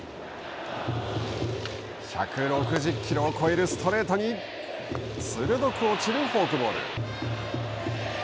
１６０キロを超えるストレートに鋭く落ちるフォークボール。